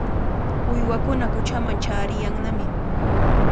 Uywakuna quchaman chaariyannami.